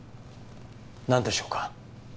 なんでしょうか？